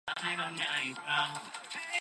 勝てばメダル確定、決勝進出。